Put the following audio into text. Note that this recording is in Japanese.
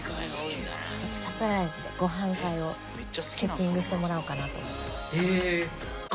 ちょっとサプライズでご飯会をセッティングしてもらおうかなと思ってます。